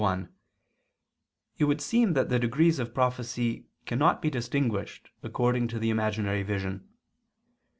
3] Whether the Degrees of Prophecy Can Be Distinguished According to the Imaginary Vision?